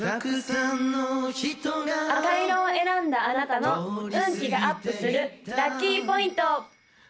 赤色を選んだあなたの運気がアップするラッキーポイント！